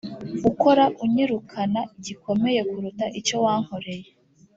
ukora unyirukana gikomeye kuruta icyo wankoreye